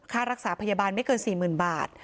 ค่ารักษาพยาบาลไม่เกิน๔๐๐๐บาท